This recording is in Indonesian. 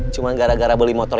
cuma gara gara beli motor